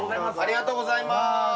ありがとうございます。